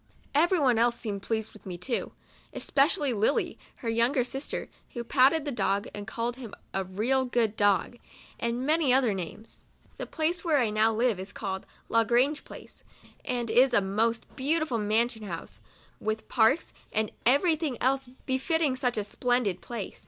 Every one else seemed pleased with me too, especially Lily, her younger sister, who patted the dog, and called him a " real good dog," and many other names. The place where I now live is called " La Grange Place," and is a most beautiful mansion house, with parks, and every thing else befitting such a splendid place.